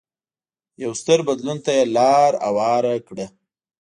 یو ستر بدلون ته یې لار هواره کړه.